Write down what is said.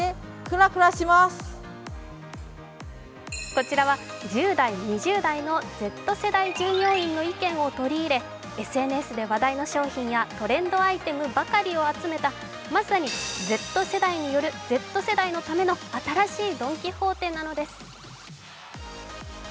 こちらは１０代、２０代のＺ世代従業員の意見を取り入れＳＮＳで話題の商品やトレンドアイテムばかりを集めたまさにＺ世代によるＺ世代のための新しいドン・キホーテなのです。